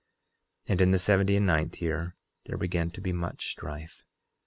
11:23 And in the seventy and ninth year there began to be much strife.